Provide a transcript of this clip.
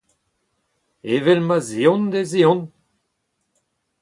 evel ma'z eont ez eont